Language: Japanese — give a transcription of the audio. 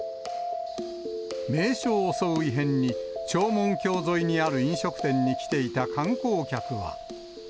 名所を襲う異変に、長門峡沿いにある飲食店に来ていた観光客は。